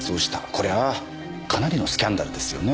これはかなりのスキャンダルですよね。